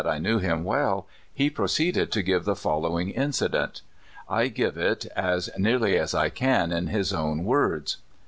ing him I knew him well, he proceeded to give the following incident. I give it as nearly as I can in his own words.